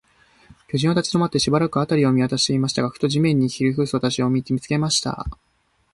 巨人は立ちどまって、しばらく、あたりを見まわしていましたが、ふと、地面にひれふしている私を、見つけました。